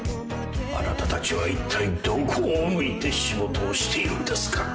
あなたたちはいったいどこを向いて仕事をしているんですか